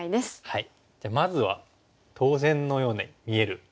はい。